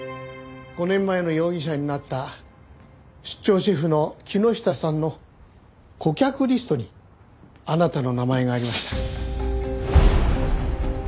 ５年前の容疑者になった出張シェフの木下さんの顧客リストにあなたの名前がありました。